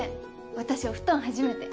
私お布団初めて。